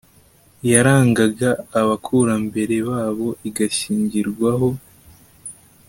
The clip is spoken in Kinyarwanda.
yarangaga abakurambere babo igashyingirwaho